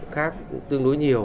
khác tương đối nhiều